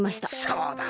そうだ。